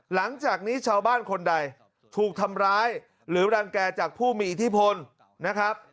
หลังจากนี้ชาวบ้านคนใดถูกทำร้ายหรือรังแก่จากผู้มีอิทธิพลนะครับ